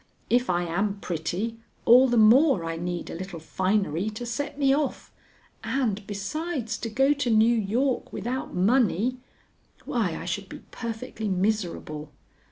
If I am pretty, all the more I need a little finery to set me off, and, besides, to go to New York without money why, I should be perfectly miserable.